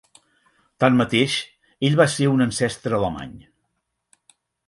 Tanmateix, ell va ser un ancestre alemany.